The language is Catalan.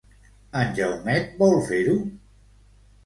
En Jaumet vol fer-ho?